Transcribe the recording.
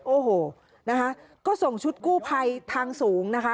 โอ้โหนะคะก็ส่งชุดกู้ภัยทางสูงนะคะ